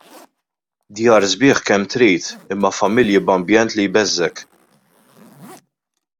Djar sbieħ kemm trid, imma familji b'ambjent li jbeżżgħek.